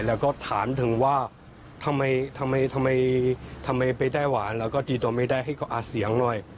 แล้วก็ถามถึงว่าทำไมทำไมไปได้หวานแล้วก็ตีตัวไม่ได้ให้เขาอ่านเสียงหน่อย